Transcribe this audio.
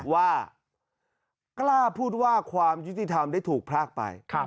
ว่ากล้าพูดว่าความยุติธรรมได้ถูกพรากไป